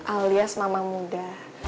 alias mama muda